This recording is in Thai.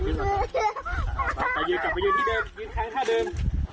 ว่าเปล่าทะยืนกลับไปยืนที่เดินยืนห้างท่าเดิน